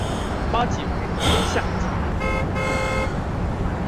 花期为春夏季。